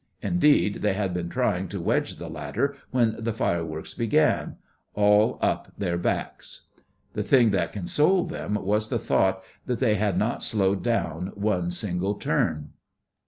Indeed, they had been trying to wedge the latter when the fireworks began—all up their backs. The thing that consoled them was the thought that they had not slowed down one single turn.